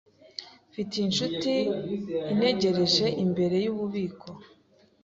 Mfite inshuti antegereje imbere yububiko.